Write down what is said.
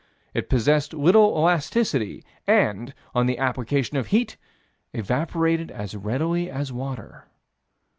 "It possessed little elasticity, and, on the application of heat, it evaporated as readily as water."